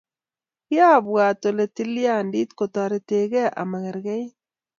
Kiabwaat ole tilyandit koketoretgei ama kekerkeit.